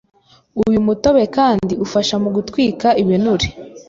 Uyu mutobe kandi ufasha mu gutwika ibinure